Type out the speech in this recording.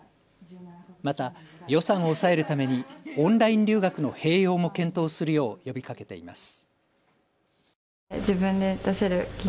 また、予算を抑えるためにオンライン留学の併用も検討するよう呼びかけています。